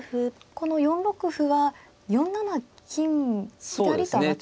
この４六歩は４七金左と上がっていくんですか。